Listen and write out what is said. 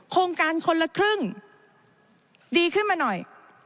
โครงการคนละครึ่งดีขึ้นมาหน่อย